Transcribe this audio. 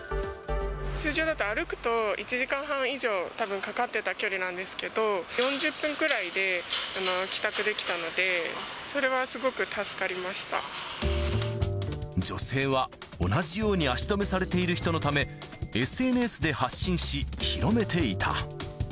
通常だと歩くと、１時間半以上、たぶんかかってた距離なんですけど、４０分くらいで帰宅できたの女性は同じように足止めされている人のため、ＳＮＳで発信し、広めていた。